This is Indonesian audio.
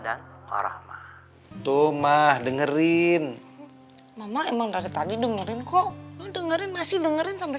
dan warohmah tuh mah dengerin mama emang dari tadi dengerin kok dengerin masih dengerin sampai